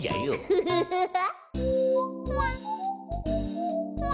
フフフフ。